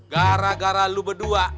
gara gara lo berdua